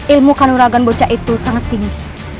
ilmu kanuragan bocah itu sangat tinggi